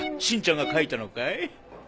しんちゃんが書いたのかい？